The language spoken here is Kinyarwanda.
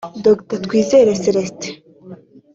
Dr Twizere Celestin